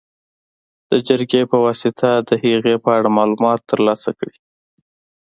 د جرګې په واسطه د هغې په اړه معلومات تر لاسه کړي.